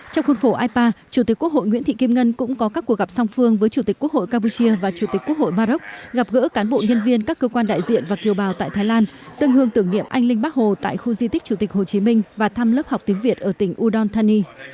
trong khuôn khổ ipa chủ tịch quốc hội nguyễn thị kim ngân cũng có các cuộc gặp song phương với chủ tịch quốc hội campuchia và chủ tịch quốc hội maroc gặp gỡ cán bộ nhân viên các cơ quan đại diện và kiều bào tại thái lan dân hương tưởng niệm anh linh bắc hồ tại khu di tích chủ tịch hồ chí minh và thăm lớp học tiếng việt ở tỉnh udon thani